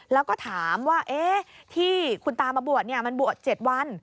แล้วก็ถามว่าที่คุณตามาบวชมันบวช๗วัน